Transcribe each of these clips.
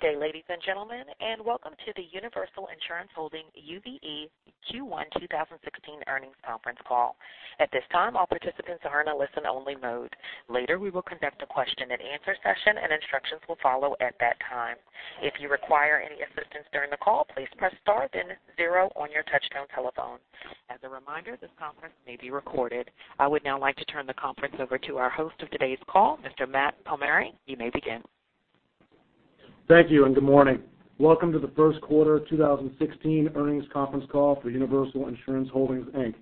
Good day, ladies and gentlemen, and welcome to the Universal Insurance Holdings, UVE Q1 2016 earnings conference call. At this time, all participants are in a listen-only mode. Later, we will conduct a question-and-answer session, and instructions will follow at that time. If you require any assistance during the call, please press star then zero on your touchtone telephone. As a reminder, this conference may be recorded. I would now like to turn the conference over to our host of today's call, Mr. Matt Palmieri. You may begin. Thank you, and good morning. Welcome to the first quarter 2016 earnings conference call for Universal Insurance Holdings, Inc.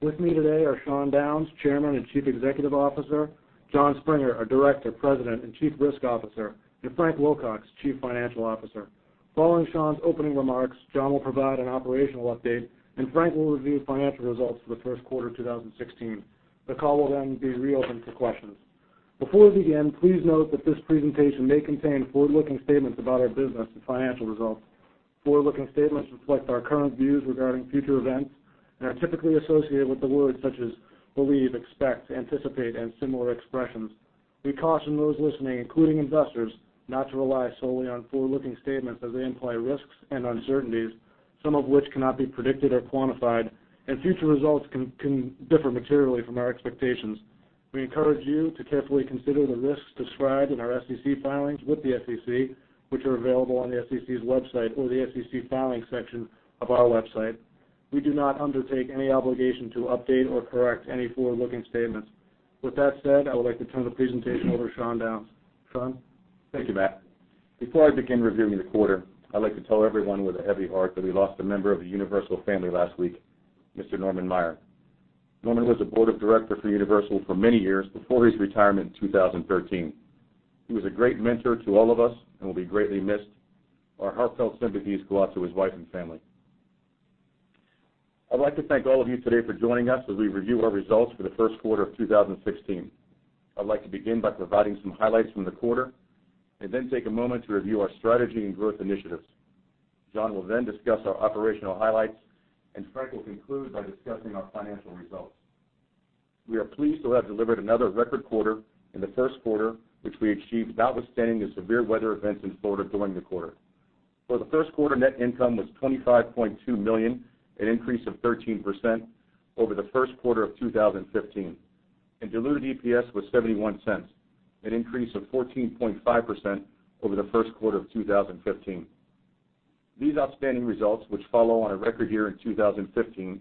With me today are Sean Downes, Chairman and Chief Executive Officer, Jon Springer, our Director, President and Chief Risk Officer, and Frank Wilcox, Chief Financial Officer. Following Sean's opening remarks, Jon will provide an operational update, and Frank will review financial results for the first quarter of 2016. The call will then be reopened for questions. Before we begin, please note that this presentation may contain forward-looking statements about our business and financial results. Forward-looking statements reflect our current views regarding future events and are typically associated with the words such as believe, expect, anticipate and similar expressions. We caution those listening, including investors, not to rely solely on forward-looking statements as they imply risks and uncertainties, some of which cannot be predicted or quantified, and future results can differ materially from our expectations. We encourage you to carefully consider the risks described in our SEC filings with the SEC, which are available on the SEC's website or the SEC filings section of our website. We do not undertake any obligation to update or correct any forward-looking statements. With that said, I would like to turn the presentation over to Sean Downes. Sean? Thank you, Matt. Before I begin reviewing the quarter, I'd like to tell everyone with a heavy heart that we lost a member of the Universal family last week, Mr. Norman Meier. Norman was a Board of Director for Universal for many years before his retirement in 2013. He was a great mentor to all of us and will be greatly missed. Our heartfelt sympathies go out to his wife and family. I'd like to thank all of you today for joining us as we review our results for the first quarter of 2016. I'd like to begin by providing some highlights from the quarter and then take a moment to review our strategy and growth initiatives. Jon will then discuss our operational highlights, and Frank will conclude by discussing our financial results. We are pleased to have delivered another record quarter in the first quarter, which we achieved notwithstanding the severe weather events in Florida during the quarter. For the first quarter, net income was $25.2 million, an increase of 13% over the first quarter of 2015, and diluted EPS was $0.71, an increase of 14.5% over the first quarter of 2015. These outstanding results, which follow on a record year in 2015,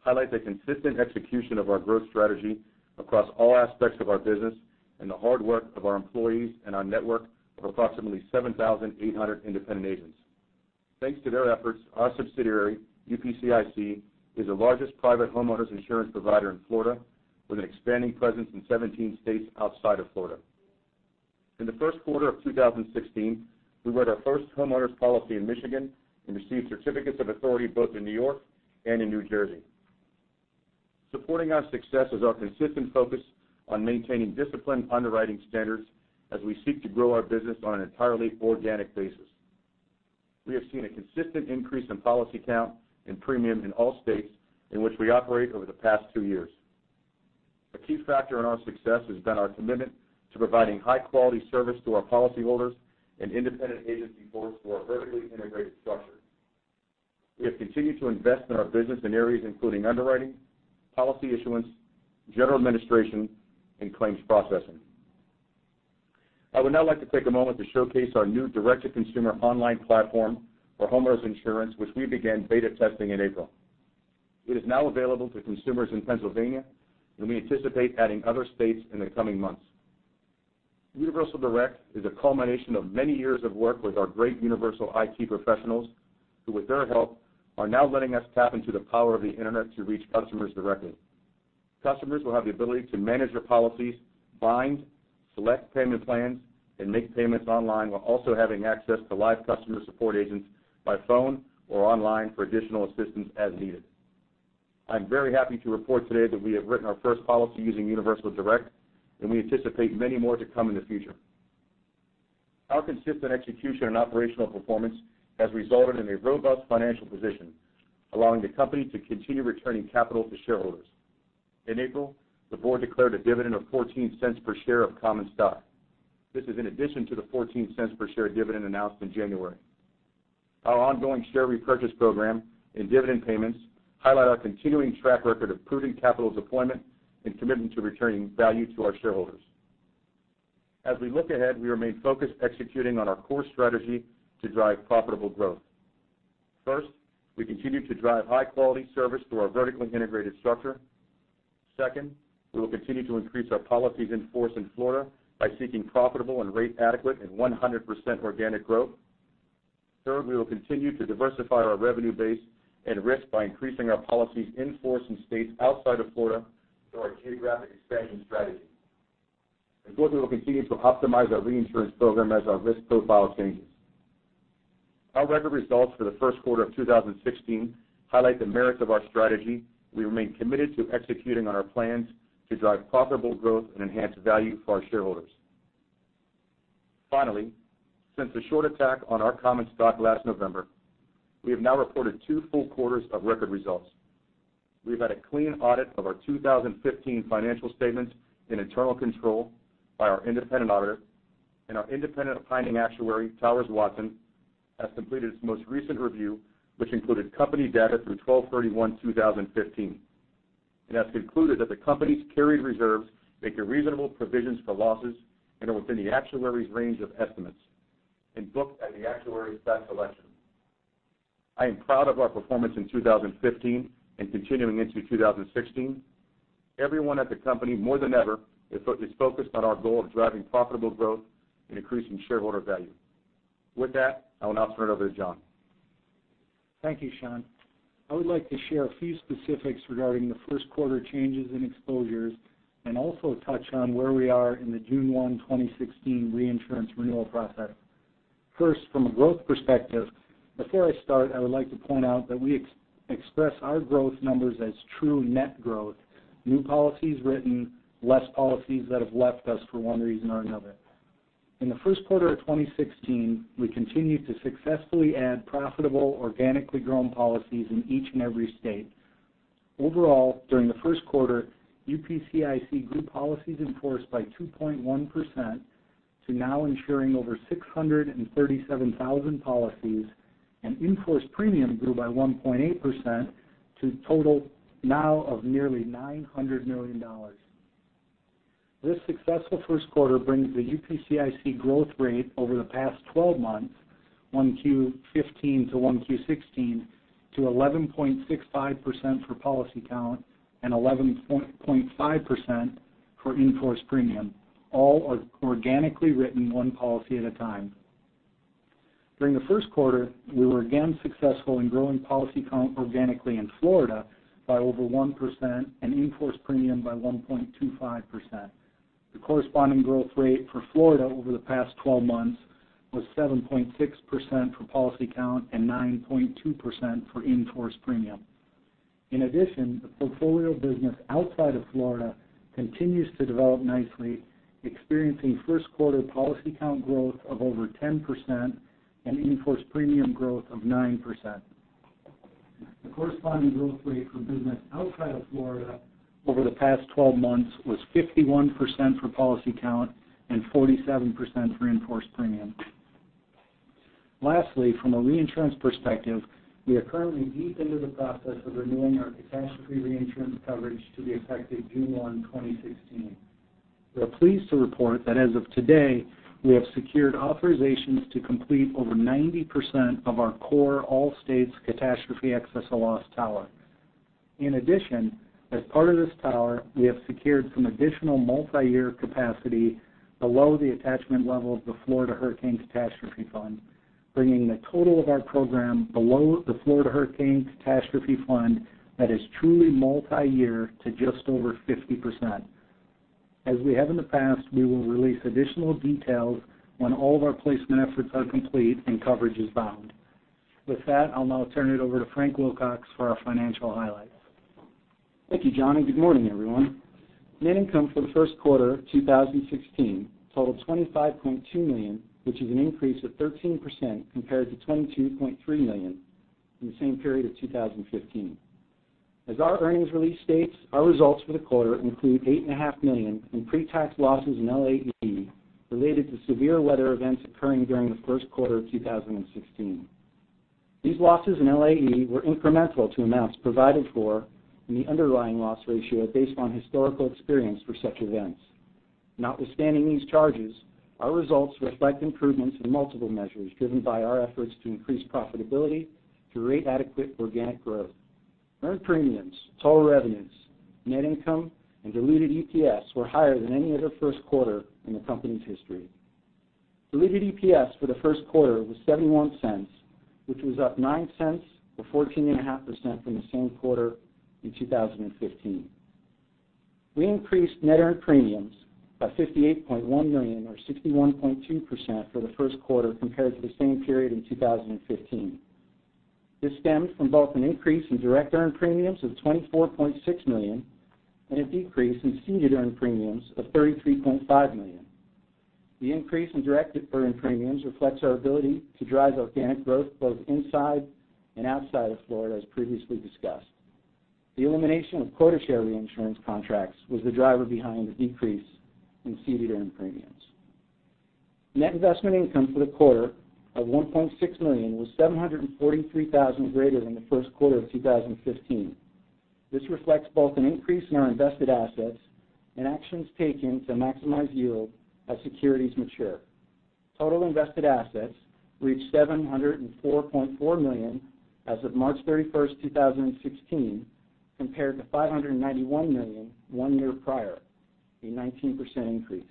highlight the consistent execution of our growth strategy across all aspects of our business and the hard work of our employees and our network of approximately 7,800 independent agents. Thanks to their efforts, our subsidiary, UPCIC, is the largest private homeowners insurance provider in Florida, with an expanding presence in 17 states outside of Florida. In the first quarter of 2016, we wrote our first homeowners policy in Michigan and received certificates of authority both in New York and in New Jersey. Supporting our success is our consistent focus on maintaining disciplined underwriting standards as we seek to grow our business on an entirely organic basis. We have seen a consistent increase in policy count and premium in all states in which we operate over the past two years. A key factor in our success has been our commitment to providing high-quality service to our policyholders and independent agency force through our vertically integrated structure. We have continued to invest in our business in areas including underwriting, policy issuance, general administration, and claims processing. I would now like to take a moment to showcase our new direct-to-consumer online platform for homeowners insurance, which we began beta testing in April. It is now available to consumers in Pennsylvania. We anticipate adding other states in the coming months. Universal Direct is a culmination of many years of work with our great Universal IT professionals, who with their help, are now letting us tap into the power of the Internet to reach customers directly. Customers will have the ability to manage their policies, bind, select payment plans, and make payments online while also having access to live customer support agents by phone or online for additional assistance as needed. I'm very happy to report today that we have written our first policy using Universal Direct, and we anticipate many more to come in the future. Our consistent execution and operational performance has resulted in a robust financial position, allowing the company to continue returning capital to shareholders. In April, the board declared a dividend of $0.14 per share of common stock. This is in addition to the $0.14 per share dividend announced in January. Our ongoing share repurchase program and dividend payments highlight our continuing track record of prudent capital deployment and commitment to returning value to our shareholders. As we look ahead, we remain focused executing on our core strategy to drive profitable growth. First, we continue to drive high-quality service through our vertically integrated structure. Second, we will continue to increase our policies in force in Florida by seeking profitable and rate adequate and 100% organic growth. Third, we will continue to diversify our revenue base and risk by increasing our policies in force in states outside of Florida through our geographic expansion strategy. Fourth, we will continue to optimize our reinsurance program as our risk profile changes. Our record results for the first quarter of 2016 highlight the merits of our strategy. We remain committed to executing on our plans to drive profitable growth and enhance value for our shareholders. Finally, since the short attack on our common stock last November, we have now reported two full quarters of record results. We've had a clean audit of our 2015 financial statements and internal control by our independent auditor, and our independent opinion actuary, Towers Watson, has completed its most recent review, which included company data through 12/31/2015, and has concluded that the company's carried reserves make reasonable provisions for losses and are within the actuary's range of estimates and booked at the actuary's best election. I am proud of our performance in 2015 and continuing into 2016. Everyone at the company, more than ever, is focused on our goal of driving profitable growth and increasing shareholder value. With that, I will now turn it over to Jon. Thank you, Sean. I would like to share a few specifics regarding the first quarter changes in exposures and also touch on where we are in the June 1, 2016 reinsurance renewal process. First, from a growth perspective, before I start, I would like to point out that we express our growth numbers as true net growth, new policies written, less policies that have left us for one reason or another. In the first quarter of 2016, we continued to successfully add profitable, organically grown policies in each and every state. Overall, during the first quarter, UPCIC grew policies in force by 2.1% to now insuring over 637,000 policies, and in-force premium grew by 1.8% to a total now of nearly $900 million. This successful first quarter brings the UPCIC growth rate over the past 12 months, 1Q15 to 1Q16, to 11.65% for policy count and 11.5% for in-force premium, all organically written one policy at a time. During the first quarter, we were again successful in growing policy count organically in Florida by over 1% and in-force premium by 1.25%. The corresponding growth rate for Florida over the past 12 months was 7.6% for policy count and 9.2% for in-force premium. In addition, the portfolio business outside of Florida continues to develop nicely, experiencing first-quarter policy count growth of over 10% and in-force premium growth of 9%. The corresponding growth rate for business outside of Florida over the past 12 months was 51% for policy count and 47% for in-force premium. Lastly, from a reinsurance perspective, we are currently deep into the process of renewing our catastrophe reinsurance coverage to be effective June 1, 2016. We are pleased to report that as of today, we have secured authorizations to complete over 90% of our core all states catastrophe excess loss tower. In addition, as part of this tower, we have secured some additional multiyear capacity below the attachment level of the Florida Hurricane Catastrophe Fund, bringing the total of our program below the Florida Hurricane Catastrophe Fund that is truly multiyear to just over 50%. As we have in the past, we will release additional details when all of our placement efforts are complete and coverage is bound. With that, I will now turn it over to Frank Wilcox for our financial highlights. Thank you, Jon, good morning, everyone. Net income for the first quarter of 2016 totaled $25.2 million, which is an increase of 13% compared to $22.3 million in the same period of 2015. As our earnings release states, our results for the quarter include $8.5 million in pre-tax losses in LAE related to severe weather events occurring during the first quarter of 2016. These losses in LAE were incremental to amounts provided for in the underlying loss ratio based on historical experience for such events. Notwithstanding these charges, our results reflect improvements in multiple measures driven by our efforts to increase profitability through rate-adequate organic growth. Earned premiums, total revenues, net income, and diluted EPS were higher than any other first quarter in the company's history. Diluted EPS for the first quarter was $0.71, which was up $0.09 or 14.5% from the same quarter in 2015. We increased net earned premiums by $58.1 million or 61.2% for the first quarter compared to the same period in 2015. This stemmed from both an increase in direct earned premiums of $24.6 million and a decrease in ceded earned premiums of $33.5 million. The increase in direct earned premiums reflects our ability to drive organic growth both inside and outside of Florida, as previously discussed. The elimination of quota share reinsurance contracts was the driver behind the decrease in ceded earned premiums. Net investment income for the quarter of $1.6 million was $743,000 greater than the first quarter of 2015. This reflects both an increase in our invested assets and actions taken to maximize yield as securities mature. Total invested assets reached $704.4 million as of March 31st, 2016, compared to $591 million one year prior, a 19% increase.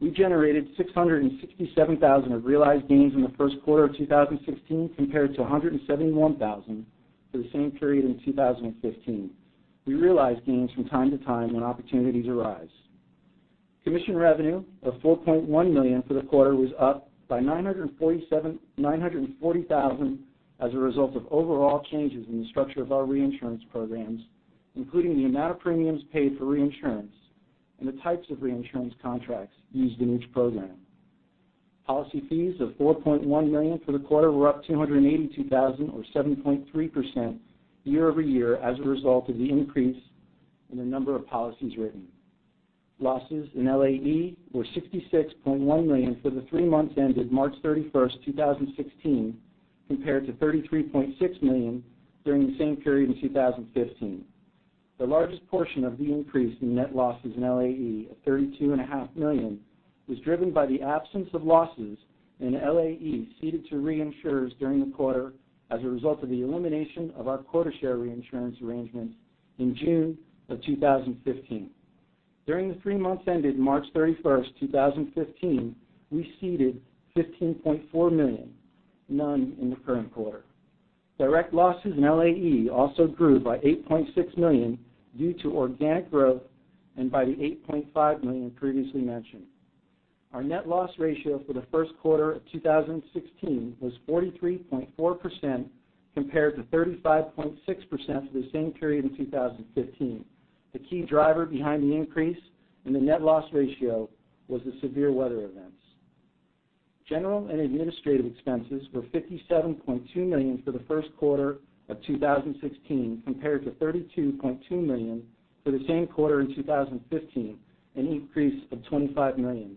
We generated $667,000 of realized gains in the first quarter of 2016, compared to $171,000 for the same period in 2015. We realize gains from time to time when opportunities arise. Commission revenue of $4.1 million for the quarter was up by $940,000 as a result of overall changes in the structure of our reinsurance programs, including the amount of premiums paid for reinsurance and the types of reinsurance contracts used in each program. Policy fees of $4.1 million for the quarter were up $282,000 or 7.3% year-over-year as a result of the increase in the number of policies written. Losses in LAE were $66.1 million for the three months ended March 31st, 2016, compared to $33.6 million during the same period in 2015. The largest portion of the increase in net losses in LAE of $32.5 million was driven by the absence of losses in LAE ceded to reinsurers during the quarter as a result of the elimination of our quota share reinsurance arrangements in June of 2015. During the three months ended March 31st, 2015, we ceded $15.4 million, none in the current quarter. Direct losses in LAE also grew by $8.6 million due to organic growth and by the $8.5 million previously mentioned. Our net loss ratio for the first quarter of 2016 was 43.4%, compared to 35.6% for the same period in 2015. The key driver behind the increase in the net loss ratio was the severe weather events. General and administrative expenses were $57.2 million for the first quarter of 2016, compared to $32.2 million for the same quarter in 2015, an increase of $25 million.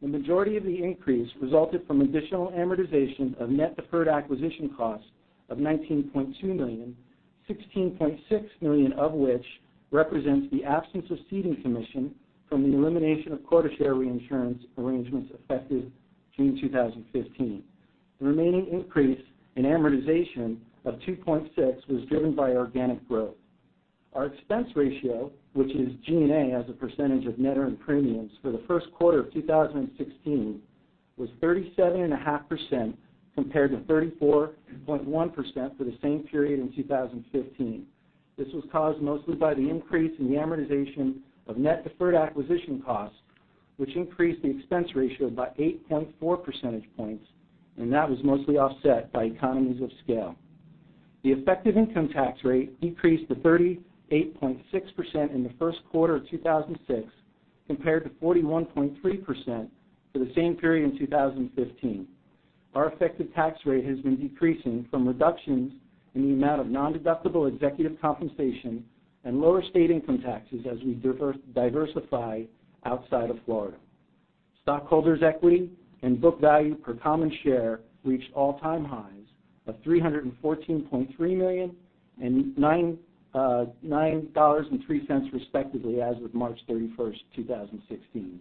The majority of the increase resulted from additional amortization of net deferred acquisition costs of $19.2 million, $16.6 million of which represents the absence of ceding commission from the elimination of quota share reinsurance arrangements effective June 2015. The remaining increase in amortization of $2.6 million was driven by organic growth. Our expense ratio, which is G&A as a percentage of net earned premiums for the first quarter of 2016, was 37.5%, compared to 34.1% for the same period in 2015. This was caused mostly by the increase in the amortization of net deferred acquisition costs, which increased the expense ratio by 8.4 percentage points, that was mostly offset by economies of scale. The effective income tax rate decreased to 38.6% in the first quarter of 2006, compared to 41.3% for the same period in 2015. Our effective tax rate has been decreasing from reductions in the amount of nondeductible executive compensation and lower state income taxes as we diversify outside of Florida. Stockholders' equity and book value per common share reached all-time highs of $314.3 million and $9.03 respectively as of March 31st, 2016.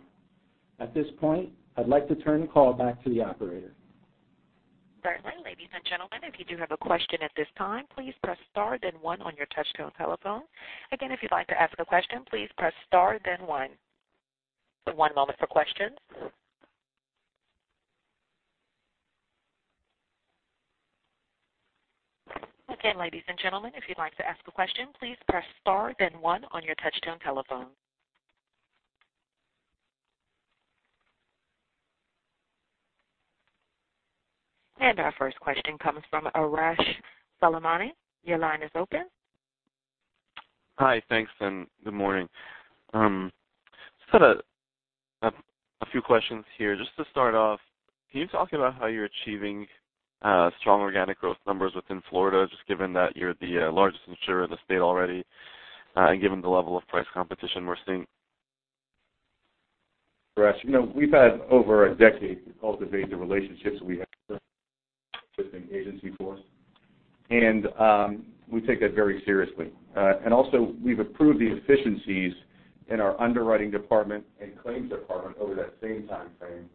At this point, I'd like to turn the call back to the operator. Certainly. Ladies and gentlemen, if you do have a question at this time, please press star then one on your touchtone telephone. Again, if you'd like to ask a question, please press star then one. One moment for questions. Again, ladies and gentlemen, if you'd like to ask a question, please press star then one on your touchtone telephone. Our first question comes from Arash Soleimani. Your line is open. Hi. Thanks. Good morning. I just had a few questions here. To start off, can you talk about how you're achieving strong organic growth numbers within Florida, just given that you're the largest insurer in the state already, and given the level of price competition we're seeing? Arash, we've had over a decade to cultivate the relationships that we have with an agency force, and we take that very seriously. Also, we've improved the efficiencies in our underwriting department and claims department over that same time frame.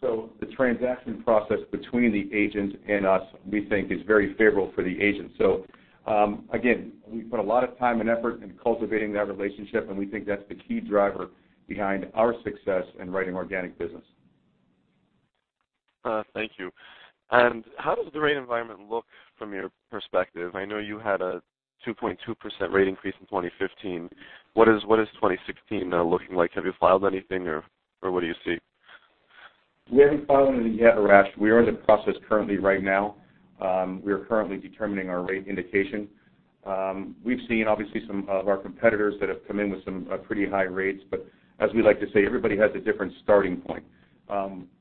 The transaction process between the agents and us, we think is very favorable for the agents. Again, we put a lot of time and effort in cultivating that relationship, and we think that's the key driver behind our success in writing organic business. Thank you. How does the rate environment look from your perspective? I know you had a 2.2% rate increase in 2015. What is 2016 looking like? Have you filed anything or what do you see? We haven't filed anything yet, Arash. We are in the process currently right now. We are currently determining our rate indication. We've seen, obviously, some of our competitors that have come in with some pretty high rates, but as we like to say, everybody has a different starting point.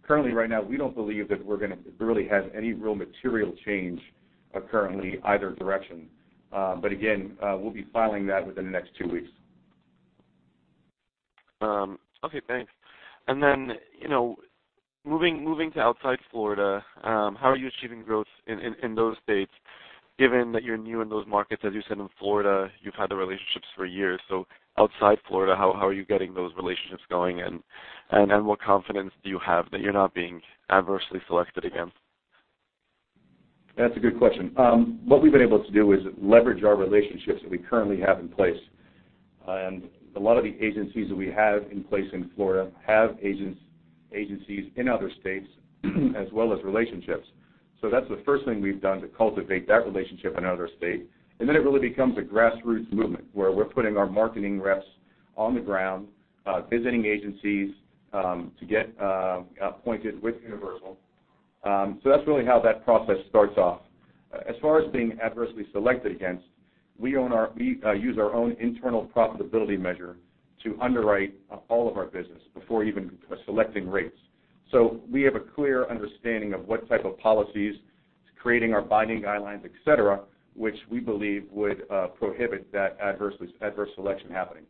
Currently right now, we don't believe that we're going to really have any real material change currently, either direction. Again, we'll be filing that within the next two weeks. Okay, thanks. Moving to outside Florida, how are you achieving growth in those states given that you're new in those markets? As you said, in Florida, you've had the relationships for years. Outside Florida, how are you getting those relationships going, and what confidence do you have that you're not being adversely selected again? That's a good question. What we've been able to do is leverage our relationships that we currently have in place. A lot of the agencies that we have in place in Florida have agencies in other states as well as relationships. That's the first thing we've done to cultivate that relationship in another state. Then it really becomes a grassroots movement, where we're putting our marketing reps on the ground, visiting agencies to get appointed with Universal. That's really how that process starts off. As far as being adversely selected against, we use our own internal profitability measure to underwrite all of our business before even selecting rates. We have a clear understanding of what type of policies, creating our binding guidelines, et cetera, which we believe would prohibit that adverse selection happening.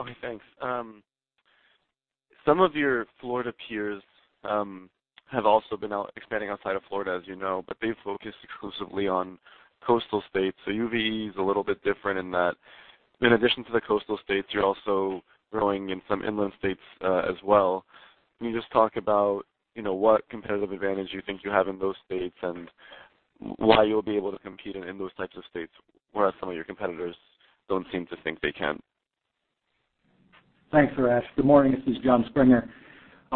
Okay, thanks. Some of your Florida peers have also been expanding outside of Florida, as you know, but they've focused exclusively on coastal states. UVE is a little bit different in that in addition to the coastal states, you're also growing in some inland states as well. Can you just talk about what competitive advantage you think you have in those states and why you'll be able to compete in those types of states, whereas some of your competitors don't seem to think they can? Thanks, Arash. Good morning. This is Jon Springer.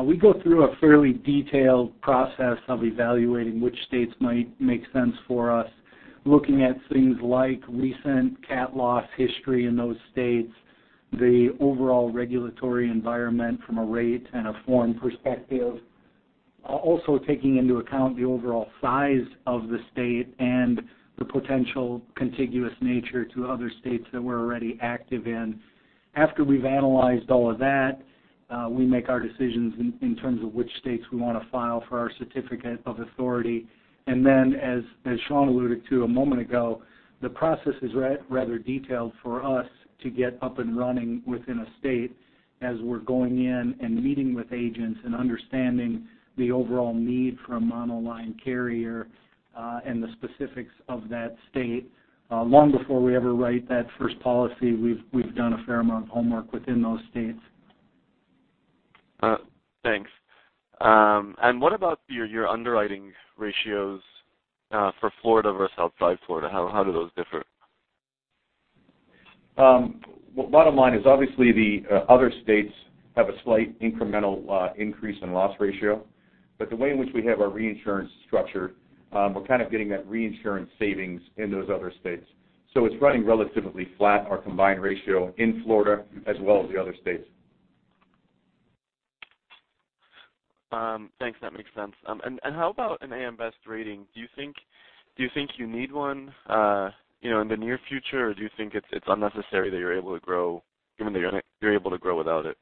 We go through a fairly detailed process of evaluating which states might make sense for us, looking at things like recent cat loss history in those states, the overall regulatory environment from a rate and a form perspective. Also taking into account the overall size of the state and the potential contiguous nature to other states that we're already active in. After we've analyzed all of that, we make our decisions in terms of which states we want to file for our certificate of authority. Then as Sean alluded to a moment ago, the process is rather detailed for us to get up and running within a state as we're going in and meeting with agents and understanding the overall need for a monoline carrier, and the specifics of that state. Long before we ever write that first policy, we've done a fair amount of homework within those states. Thanks. What about your underwriting ratios for Florida versus outside Florida? How do those differ? Bottom line is obviously the other states have a slight incremental increase in loss ratio, the way in which we have our reinsurance structured, we're kind of getting that reinsurance savings in those other states. So it's running relatively flat, our combined ratio in Florida as well as the other states. Thanks. That makes sense. How about an AM Best rating? Do you think you need one in the near future, or do you think it's unnecessary given that you're able to grow without it?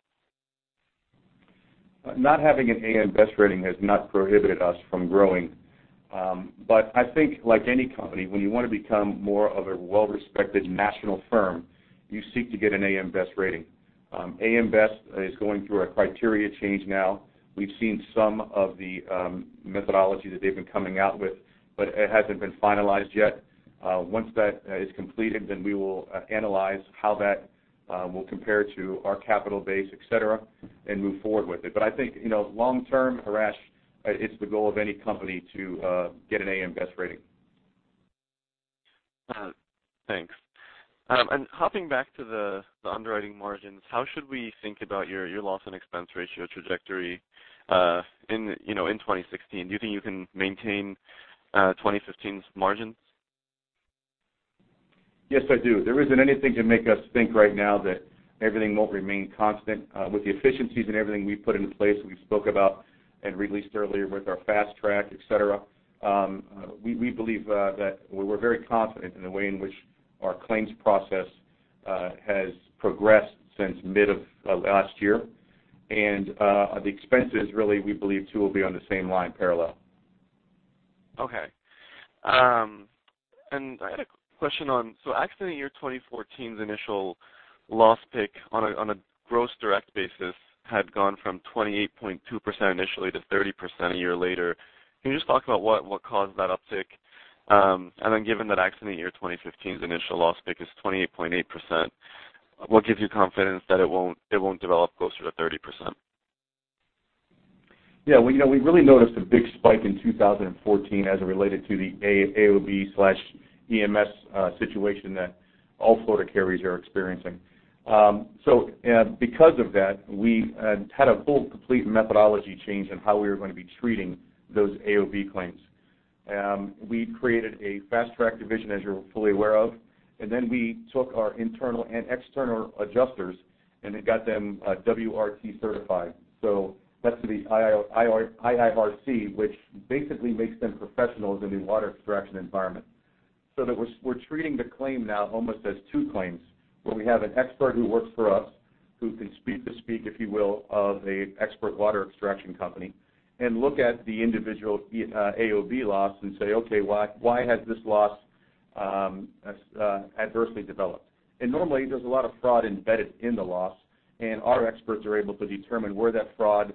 Not having an AM Best rating has not prohibited us from growing. I think like any company, when you want to become more of a well-respected national firm, you seek to get an AM Best rating. AM Best is going through a criteria change now. We've seen some of the methodology that they've been coming out with, it hasn't been finalized yet. Once that is completed, we will analyze how that will compare to our capital base, et cetera, and move forward with it. I think, long term, Arash, it's the goal of any company to get an AM Best rating. Thanks. Hopping back to the underwriting margins, how should we think about your loss and expense ratio trajectory in 2016? Do you think you can maintain 2015's margins? Yes, I do. There isn't anything to make us think right now that everything won't remain constant. With the efficiencies and everything we've put into place that we've spoke about and released earlier with our Fast Track, et cetera, we're very confident in the way in which our claims process has progressed since mid of last year. The expenses really, we believe too, will be on the same line parallel. Okay. I had a question on accident year 2014's initial loss pick on a gross direct basis had gone from 28.2% initially to 30% a year later. Can you just talk about what caused that uptick? Given that accident year 2015's initial loss pick is 28.8%, what gives you confidence that it won't develop closer to 30%? Yeah, we really noticed a big spike in 2014 as it related to the AOB/EMS situation that all Florida carriers are experiencing. Because of that, we had a full, complete methodology change in how we were going to be treating those AOB claims. We created a Fast Track division, as you're fully aware of, and then we took our internal and external adjusters and then got them WRT certified. That's the IICRC, which basically makes them professionals in the water extraction environment. That we're treating the claim now almost as two claims, where we have an expert who works for us, who can speak the speak, if you will, of an expert water extraction company, and look at the individual AOB loss and say, "Okay, why has this loss adversely developed?" Normally there's a lot of fraud embedded in the loss, and our experts are able to determine where that fraud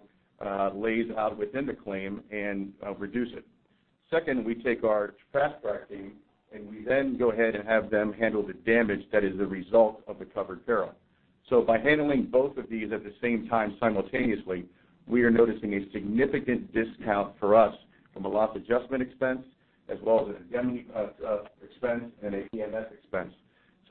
lays out within the claim and reduce it. Second, we take our Fast Track team, and we then go ahead and have them handle the damage that is the result of the covered peril. By handling both of these at the same time simultaneously, we are noticing a significant discount for us from a loss adjustment expense as well as an indemnity expense and an EMS expense.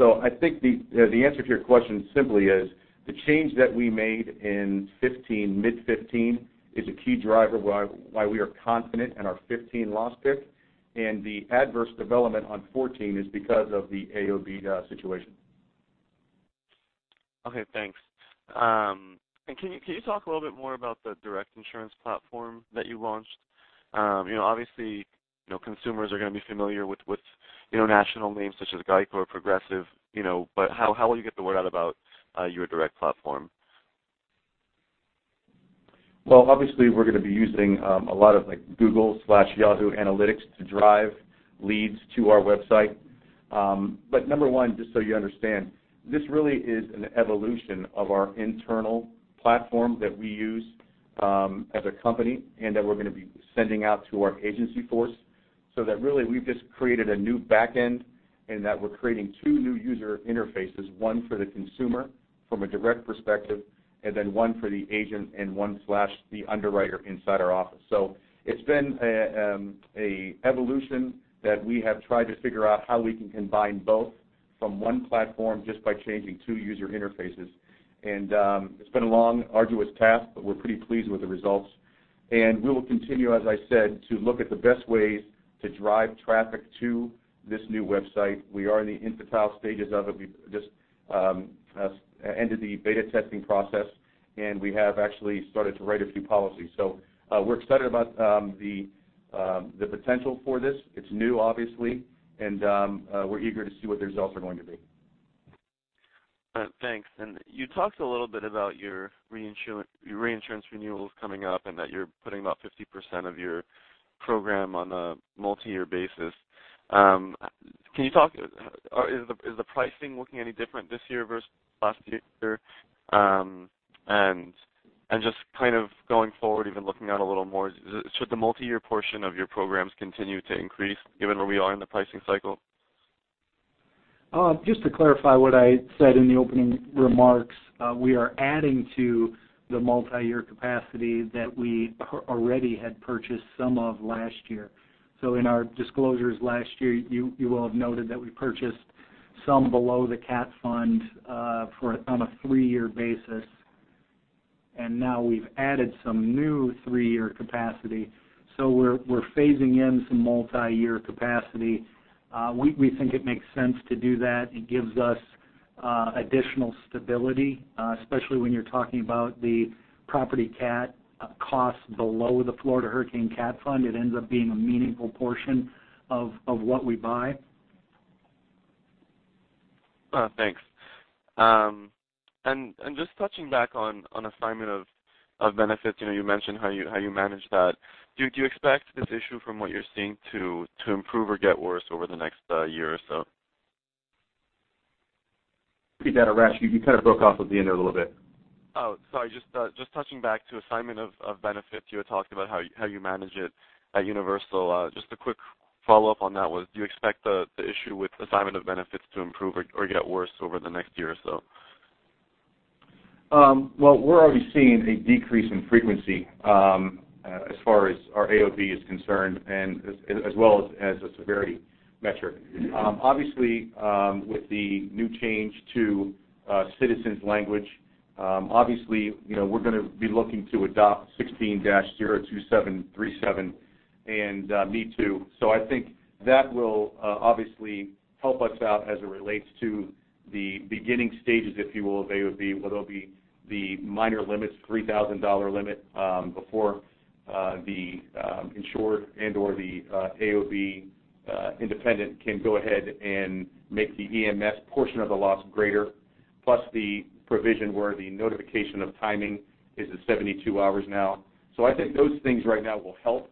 I think the answer to your question simply is the change that we made in mid 2015 is a key driver why we are confident in our 2015 loss pick, and the adverse development on 2014 is because of the AOB situation. Okay, thanks. Can you talk a little bit more about the direct insurance platform that you launched? Obviously, consumers are going to be familiar with national names such as GEICO or Progressive, how will you get the word out about your direct platform? Well, obviously, we're going to be using a lot of Google/Yahoo analytics to drive leads to our website. Number one, just so you understand, this really is an evolution of our internal platform that we use as a company and that we're going to be sending out to our agency force. That really, we've just created a new back end and that we're creating two new user interfaces, one for the consumer from a direct perspective, and then one for the agent and one slash the underwriter inside our office. It's been an evolution that we have tried to figure out how we can combine both from one platform just by changing two user interfaces. It's been a long, arduous task, but we're pretty pleased with the results. We will continue, as I said, to look at the best ways to drive traffic to this new website. We are in the infantile stages of it. We've just ended the beta testing process, and we have actually started to write a few policies. We're excited about the potential for this. It's new, obviously, and we're eager to see what the results are going to be. Thanks. You talked a little bit about your reinsurance renewals coming up and that you're putting about 50% of your program on a multi-year basis. Is the pricing looking any different this year versus last year? Just kind of going forward, even looking out a little more, should the multi-year portion of your programs continue to increase given where we are in the pricing cycle? Just to clarify what I said in the opening remarks, we are adding to the multi-year capacity that we already had purchased some of last year. In our disclosures last year, you will have noted that we purchased some below the Cat Fund on a three-year basis, and now we've added some new three-year capacity. We're phasing in some multi-year capacity. We think it makes sense to do that. It gives us additional stability, especially when you're talking about the property Cat cost below the Florida Hurricane Cat Fund. It ends up being a meaningful portion of what we buy. Thanks. Just touching back on assignment of benefits, you mentioned how you manage that. Do you expect this issue from what you're seeing to improve or get worse over the next year or so? Repeat that, Arash. You kind of broke off at the end there a little bit. Sorry. Just touching back to assignment of benefits, you had talked about how you manage it at Universal. Just a quick follow-up on that was, do you expect the issue with assignment of benefits to improve or get worse over the next year or so? Well, we're already seeing a decrease in frequency as far as our AOB is concerned and as well as a severity metric. Obviously, with the new change to Citizens language, obviously, we're going to be looking to adopt 16-02737 and Me Too. I think that will obviously help us out as it relates to the beginning stages, if you will, of AOB, where there'll be the minor limits, $3,000 limit before the insured and/or the AOB independent can go ahead and make the EMS portion of the loss greater, plus the provision where the notification of timing is at 72 hours now. I think those things right now will help.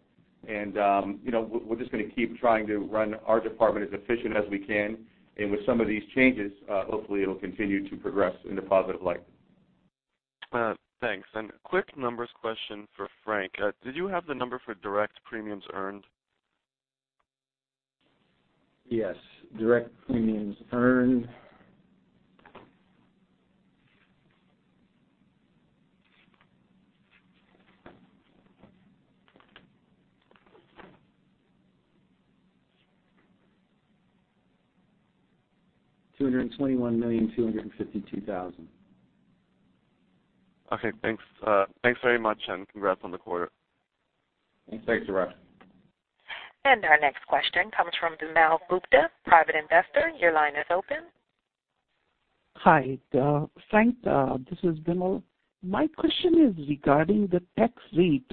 We're just going to keep trying to run our department as efficient as we can. With some of these changes, hopefully it'll continue to progress in a positive light. Thanks. Quick numbers question for Frank. Did you have the number for direct premiums earned? Yes. Direct premiums earned, $221,252,000. Okay, thanks. Thanks very much, and congrats on the quarter. Thanks, Arash. Our next question comes from Vimal Gupta, private investor. Your line is open. Hi, Frank, this is Vimal. My question is regarding the tax rate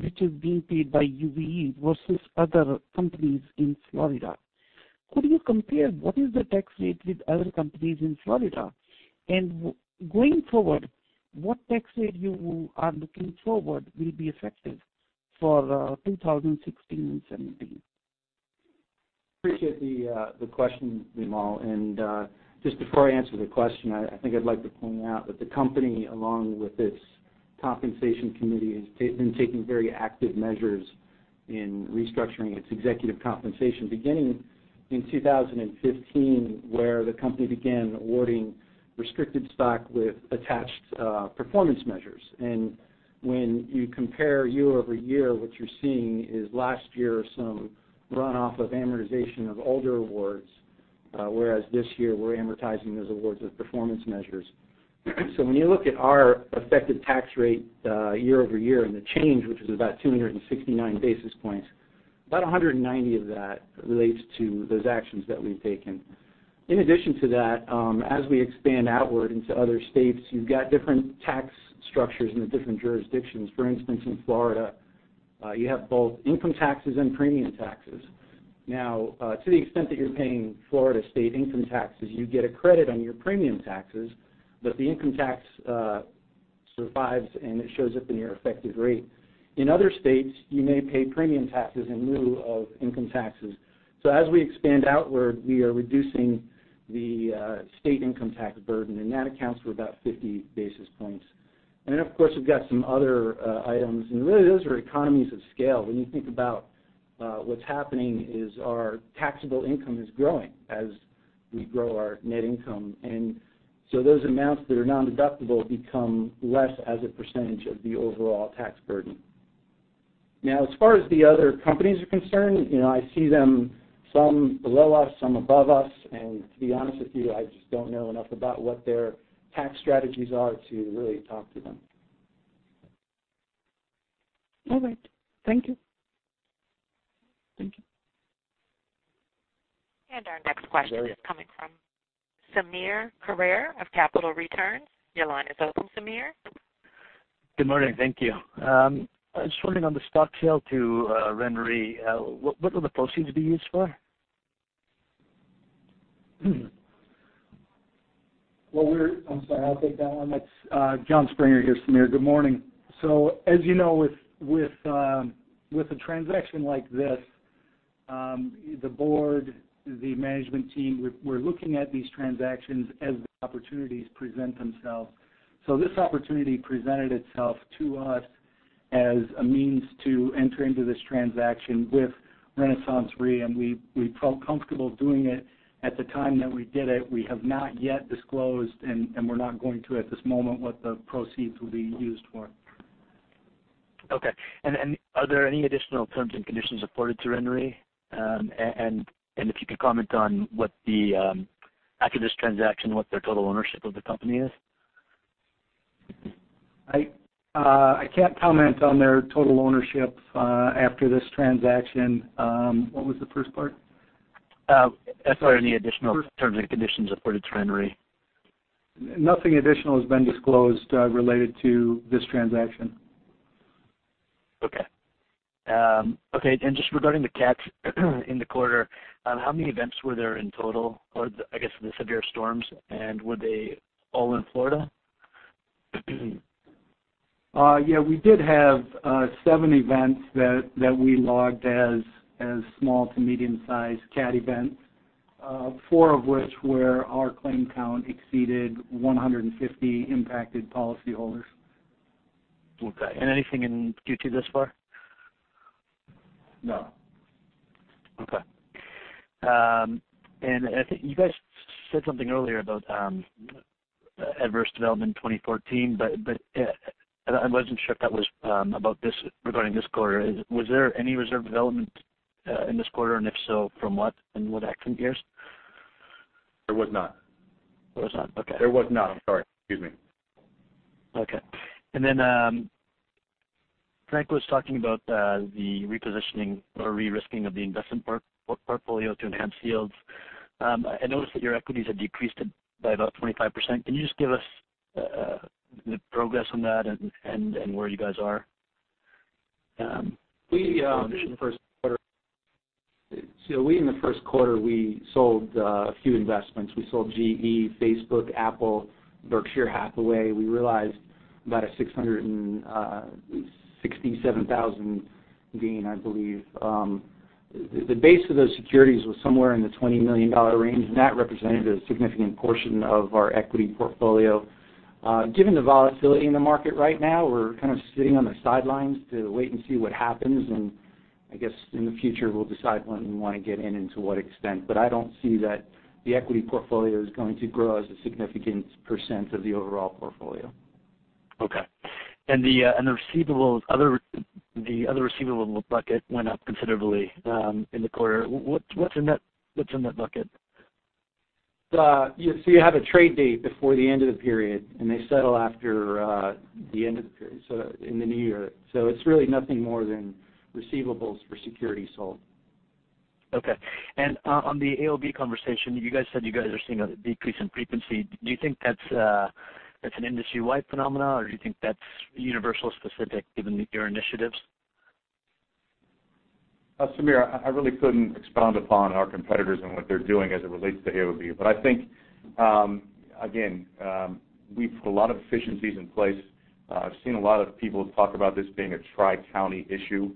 which is being paid by UVE versus other companies in Florida. Could you compare what is the tax rate with other companies in Florida? Going forward, what tax rate you are looking forward will be effective for 2016 and 2017? Appreciate the question, Vimal, just before I answer the question, I think I'd like to point out that the company, along with its compensation committee, has been taking very active measures in restructuring its executive compensation beginning in 2015, where the company began awarding restricted stock with attached performance measures. When you compare year-over-year, what you're seeing is last year, some runoff of amortization of older awards, whereas this year we're amortizing those awards as performance measures. When you look at our effective tax rate year-over-year and the change, which was about 269 basis points. About 190 of that relates to those actions that we've taken. In addition to that, as we expand outward into other states, you've got different tax structures in the different jurisdictions. For instance, in Florida, you have both income taxes and premium taxes. To the extent that you're paying Florida state income taxes, you get a credit on your premium taxes, the income tax survives, it shows up in your effective rate. In other states, you may pay premium taxes in lieu of income taxes. As we expand outward, we are reducing the state income tax burden, that accounts for about 50 basis points. Then, of course, we've got some other items, those are economies of scale. When you think about what's happening is our taxable income is growing as we grow our net income. Those amounts that are non-deductible become less as a percentage of the overall tax burden. As far as the other companies are concerned, I see them, some below us, some above us. To be honest with you, I just don't know enough about what their tax strategies are to really talk to them. All right. Thank you. Our next question- ...is coming from Sameer Carrere of Capital Returns. Your line is open, Sameer. Good morning. Thank you. I was wondering on the stock sale to RenaissanceRe, what will the proceeds be used for? I'm sorry, I'll take that one. It's Jon Springer here, Sameer. Good morning. As you know, with a transaction like this, the board, the management team, we're looking at these transactions as the opportunities present themselves. This opportunity presented itself to us as a means to enter into this transaction with RenaissanceRe, and we felt comfortable doing it at the time that we did it. We have not yet disclosed, and we're not going to at this moment, what the proceeds will be used for. Okay. Are there any additional terms and conditions afforded to RenaissanceRe? If you could comment on what the, after this transaction, what their total ownership of the company is? I can't comment on their total ownership after this transaction. What was the first part? If there are any additional terms and conditions afforded to RenaissanceRe. Nothing additional has been disclosed related to this transaction. Okay. Just regarding the cats in the quarter, how many events were there in total, or, I guess, the severe storms, and were they all in Florida? Yeah, we did have seven events that we logged as small to medium-sized cat events, four of which where our claim count exceeded 150 impacted policyholders. Okay. Anything in Q2 thus far? No. Okay. I think you guys said something earlier about adverse development in 2014, but I wasn't sure if that was regarding this quarter. Was there any reserve development in this quarter, and if so, from what and what accident years? There was not. There was not. Okay. There was not. I'm sorry. Excuse me. Okay. Frank was talking about the repositioning or re-risking of the investment portfolio to enhance yields. I noticed that your equities have decreased by about 25%. Can you just give us the progress on that and where you guys are? We- Yeah. In the first quarter, we sold a few investments. We sold GE, Facebook, Apple, Berkshire Hathaway. We realized about a $667,000 gain, I believe. The base of those securities was somewhere in the $20 million range, and that represented a significant portion of our equity portfolio. Given the volatility in the market right now, we're kind of sitting on the sidelines to wait and see what happens, and I guess in the future, we'll decide when we want to get in and to what extent. I don't see that the equity portfolio is going to grow as a significant % of the overall portfolio. Okay. The other receivable bucket went up considerably in the quarter. What's in that bucket? You have a trade date before the end of the period, and they settle after the end of the period, so in the new year. It's really nothing more than receivables for securities sold. Okay. On the AOB conversation, you guys said you guys are seeing a decrease in frequency. Do you think that's an industry-wide phenomenon, or do you think that's Universal specific given your initiatives? Sameer, I really couldn't expound upon our competitors and what they're doing as it relates to AOB. I think, again, we've put a lot of efficiencies in place. I've seen a lot of people talk about this being a tri-county issue.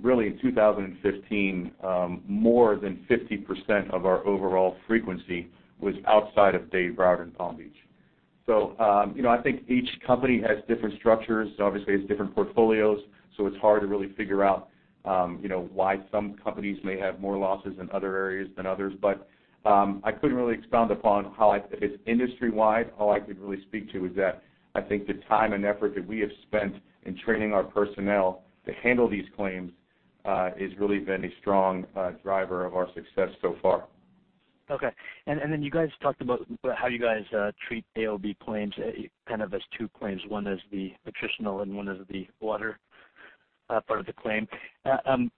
Really, in 2015, more than 50% of our overall frequency was outside of Dade, Broward, and Palm Beach. I think each company has different structures, obviously has different portfolios, so it's hard to really figure out why some companies may have more losses in other areas than others. I couldn't really expound upon how if it's industry-wide. All I could really speak to is that I think the time and effort that we have spent in training our personnel to handle these claims has really been a strong driver of our success so far. Okay. Then you guys talked about how you guys treat AOB claims kind of as two claims, one as the structural and one as the water part of the claim.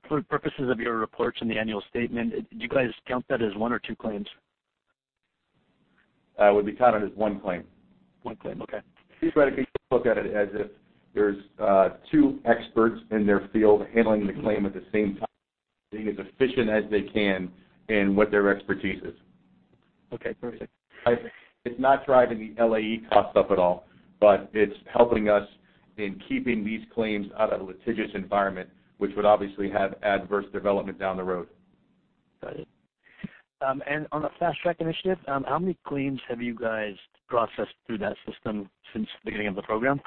For purposes of your reports in the annual statement, do you guys count that as one or two claims? It would be counted as one claim. One claim. Okay. We try to look at it as if there's two experts in their field handling the claim at the same time, being as efficient as they can in what their expertise is. Okay, perfect. It's not driving the LAE cost up at all, but it's helping us in keeping these claims out of the litigious environment, which would obviously have adverse development down the road. On the Fast Track initiative, how many claims have you guys processed through that system since the beginning of the program?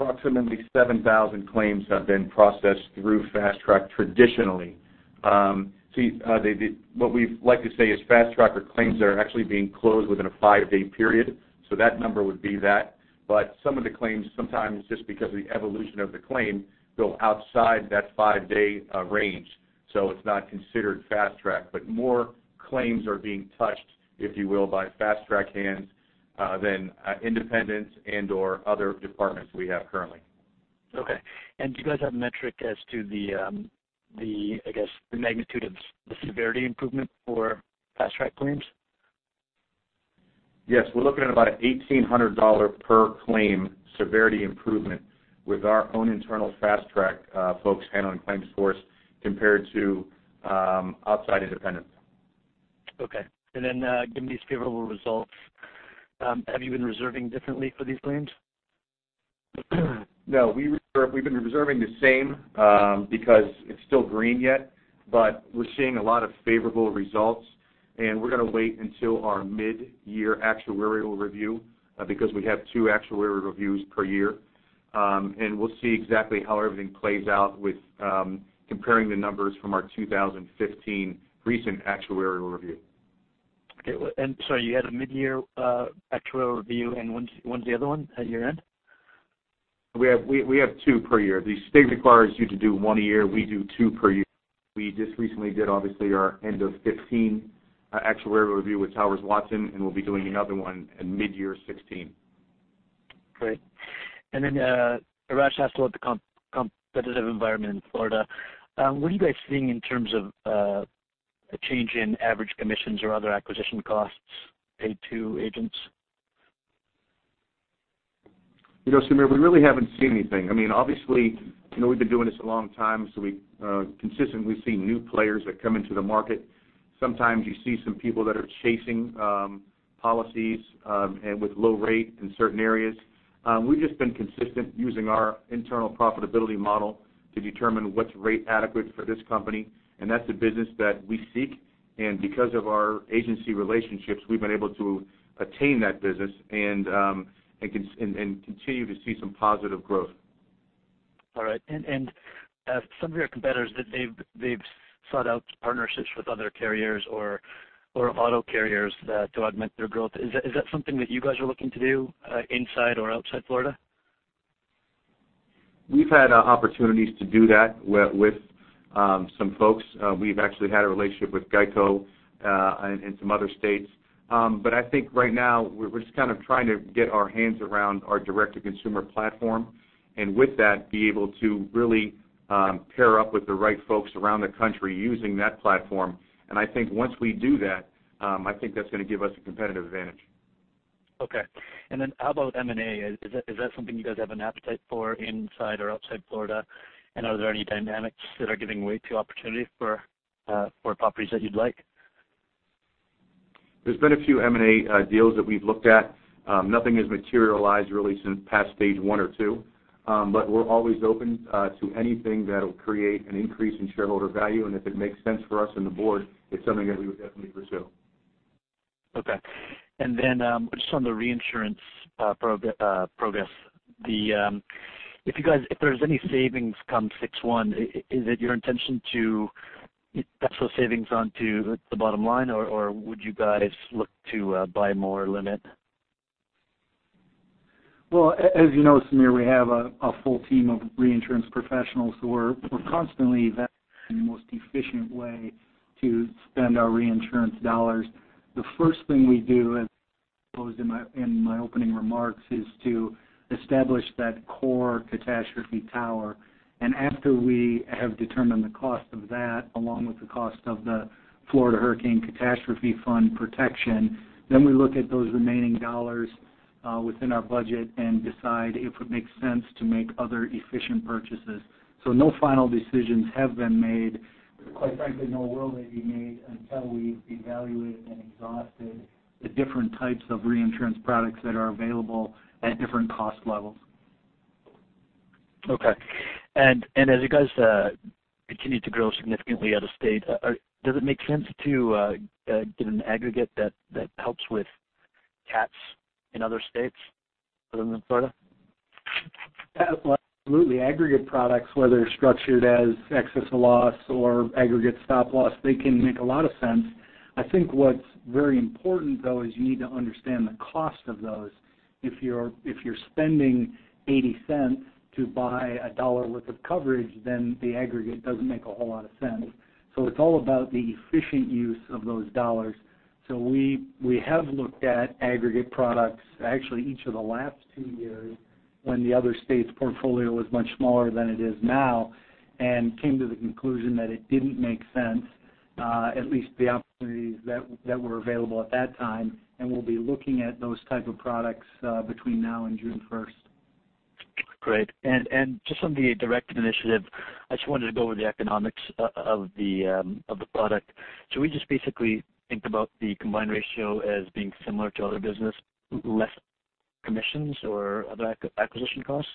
Approximately 7,000 claims have been processed through Fast Track traditionally. What we like to say is Fast Track are claims that are actually being closed within a five-day period. That number would be that. Some of the claims, sometimes just because of the evolution of the claim, go outside that five-day range, so it's not considered Fast Track. More claims are being touched, if you will, by Fast Track hands than independents and/or other departments we have currently. Okay. Do you guys have a metric as to the, I guess, the magnitude of the severity improvement for Fast Track claims? Yes. We're looking at about a $1,800 per claim severity improvement with our own internal Fast Track folks handling claims for us compared to outside independents. Okay. Given these favorable results, have you been reserving differently for these claims? No, we've been reserving the same because it's still green yet. We're seeing a lot of favorable results, and we're going to wait until our mid-year actuarial review, because we have two actuarial reviews per year, and we'll see exactly how everything plays out with comparing the numbers from our 2015 recent actuarial review. Okay. You had a mid-year actuarial review, and when's the other one? At year-end? We have two per year. The state requires you to do one a year. We do two per year. We just recently did, obviously, our end of 2015 actuarial review with Towers Watson. We'll be doing another one in mid-year 2016. Great. Arash asked about the competitive environment in Florida. What are you guys seeing in terms of a change in average commissions or other acquisition costs paid to agents? Sameer, we really haven't seen anything. Obviously, we've been doing this a long time. We consistently see new players that come into the market. Sometimes you see some people that are chasing policies with low rate in certain areas. We've just been consistent using our internal profitability model to determine what's rate adequate for this company. That's the business that we seek. Because of our agency relationships, we've been able to attain that business and continue to see some positive growth. Some of your competitors, they've sought out partnerships with other carriers or auto carriers to augment their growth. Is that something that you guys are looking to do inside or outside Florida? We've had opportunities to do that with some folks. We've actually had a relationship with GEICO in some other states. I think right now we're just kind of trying to get our hands around our direct-to-consumer platform, and with that, be able to really pair up with the right folks around the country using that platform. I think once we do that, I think that's going to give us a competitive advantage. Okay. How about M&A? Is that something you guys have an appetite for inside or outside Florida? Are there any dynamics that are giving way to opportunities for properties that you'd like? There's been a few M&A deals that we've looked at. Nothing has materialized really past stage 1 or 2. We're always open to anything that'll create an increase in shareholder value, and if it makes sense for us and the board, it's something that we would definitely pursue. Okay. Then, just on the reinsurance progress. If there's any savings come six one, is it your intention to pass those savings on to the bottom line, or would you guys look to buy more limit? Well, as you know, Sameer, we have a full team of reinsurance professionals who are constantly evaluating the most efficient way to spend our reinsurance dollars. The first thing we do, as I proposed in my opening remarks, is to establish that core catastrophe tower. After we have determined the cost of that, along with the cost of the Florida Hurricane Catastrophe Fund protection, then we look at those remaining dollars within our budget and decide if it makes sense to make other efficient purchases. No final decisions have been made. Quite frankly, nor will they be made until we've evaluated and exhausted the different types of reinsurance products that are available at different cost levels. Okay. As you guys continue to grow significantly out of state, does it make sense to get an aggregate that helps with cats in other states other than Florida? Absolutely. Aggregate products, whether structured as excess of loss or aggregate stop loss, they can make a lot of sense. I think what's very important though is you need to understand the cost of those. If you're spending $0.80 to buy a $1 worth of coverage, then the aggregate doesn't make a whole lot of sense. It's all about the efficient use of those dollars. We have looked at aggregate products, actually each of the last two years, when the other states' portfolio was much smaller than it is now, and came to the conclusion that it didn't make sense, at least the opportunities that were available at that time, and we'll be looking at those type of products between now and June 1st. Great. Just on the direct initiative, I just wanted to go over the economics of the product. Should we just basically think about the combined ratio as being similar to other business, less commissions or other acquisition costs?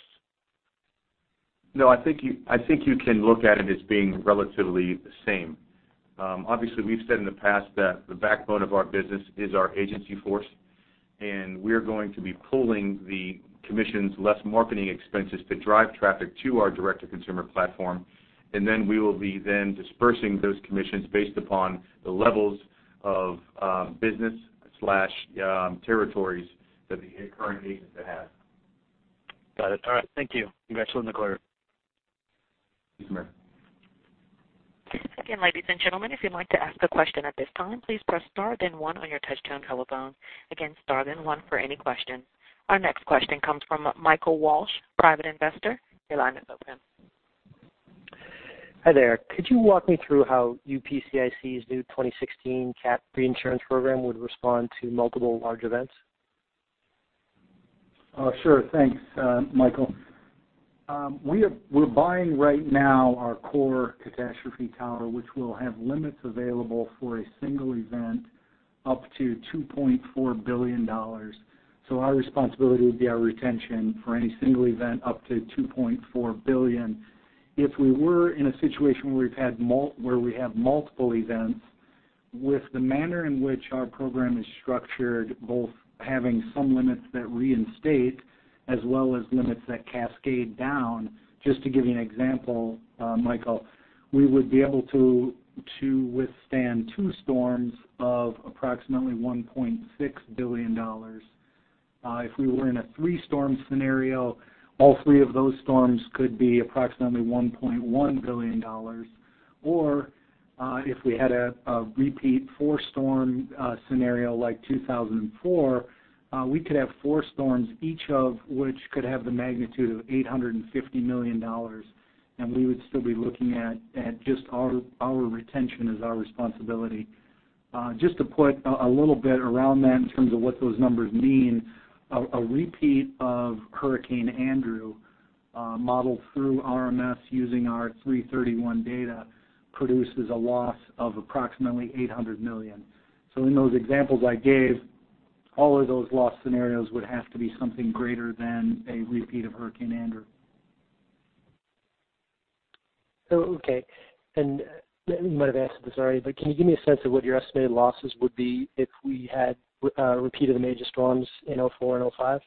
No, I think you can look at it as being relatively the same. Obviously, we've said in the past that the backbone of our business is our agency force. We're going to be pulling the commissions, less marketing expenses, to drive traffic to our direct-to-consumer platform. We will be then dispersing those commissions based upon the levels of business slash territories that the current agents have. Got it. All right. Thank you. Congrats on the quarter. Thanks, Sameer. Again, ladies and gentlemen, if you'd like to ask a question at this time, please press star then one on your touch-tone telephone. Again, star then one for any question. Our next question comes from Michael Walsh, private investor. Your line is open. Hi there. Could you walk me through how UPCIC's new 2016 cat reinsurance program would respond to multiple large events? Sure. Thanks, Michael. We're buying right now our core catastrophe tower, which will have limits available for a single event up to $2.4 billion. Our responsibility would be our retention for any single event up to $2.4 billion. If we were in a situation where we have multiple events, with the manner in which our program is structured, both having some limits that reinstate as well as limits that cascade down, just to give you an example, Michael, we would be able to withstand two storms of approximately $1.6 billion. If we were in a three-storm scenario, all three of those storms could be approximately $1.1 billion. If we had a repeat four-storm scenario like 2004, we could have four storms, each of which could have the magnitude of $850 million, and we would still be looking at just our retention as our responsibility. Just to put a little bit around that in terms of what those numbers mean, a repeat of Hurricane Andrew, modeled through RMS using our 3/31 data, produces a loss of approximately $800 million. In those examples I gave, all of those loss scenarios would have to be something greater than a repeat of Hurricane Andrew. You might have answered this already, but can you give me a sense of what your estimated losses would be if we had a repeat of the major storms in 2004 and 2005?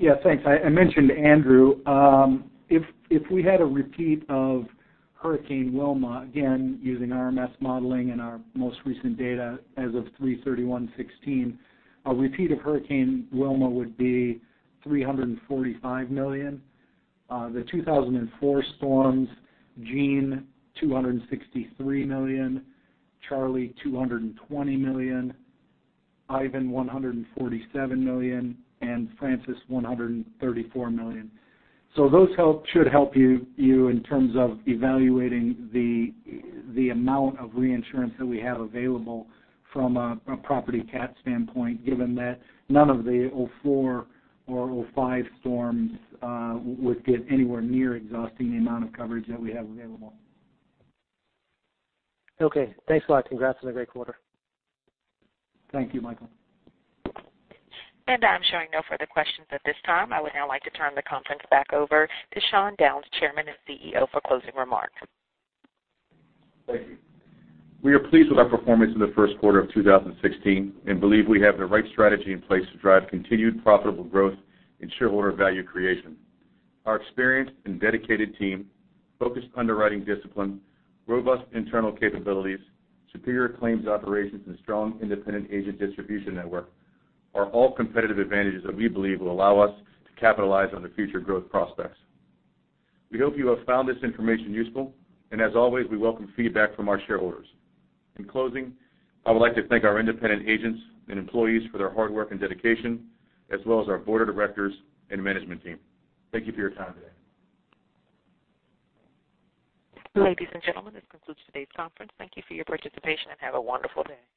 Yes, thanks. I mentioned Hurricane Andrew. If we had a repeat of Hurricane Wilma, again, using RMS modeling and our most recent data as of 03/31/2016, a repeat of Hurricane Wilma would be $345 million. The 2004 storms, Jeanne, $263 million, Hurricane Charley, $220 million, Hurricane Ivan, $147 million, and Hurricane Frances, $134 million. Those should help you in terms of evaluating the amount of reinsurance that we have available from a property cat standpoint, given that none of the 2004 or 2005 storms would get anywhere near exhausting the amount of coverage that we have available. Okay. Thanks a lot. Congrats on a great quarter. Thank you, Michael. I am showing no further questions at this time. I would now like to turn the conference back over to Sean Downes, Chairman and CEO, for closing remarks. Thank you. We are pleased with our performance in the first quarter of 2016 and believe we have the right strategy in place to drive continued profitable growth and shareholder value creation. Our experienced and dedicated team, focused underwriting discipline, robust internal capabilities, superior claims operations, and strong independent agent distribution network are all competitive advantages that we believe will allow us to capitalize on the future growth prospects. We hope you have found this information useful, and as always, we welcome feedback from our shareholders. In closing, I would like to thank our independent agents and employees for their hard work and dedication, as well as our board of directors and management team. Thank you for your time today. Ladies and gentlemen, this concludes today's conference. Thank you for your participation, and have a wonderful day.